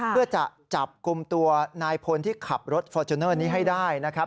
เพื่อจะจับกลุ่มตัวนายพลที่ขับรถฟอร์จูเนอร์นี้ให้ได้นะครับ